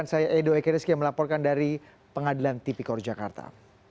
dan saya edo eka diski yang melaporkan dari pengadilan tp kor jakarta